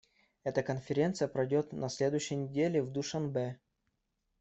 Эта Конференция пройдет на следующей неделе в Душанбе.